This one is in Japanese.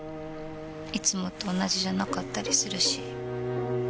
いつもと同じじゃなかったりするし。